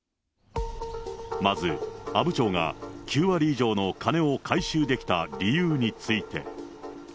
まず、阿武町が９割以上の金を回収できた理由について。